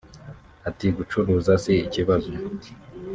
Ati “Gucuruza si ikibazo